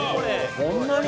こんなに？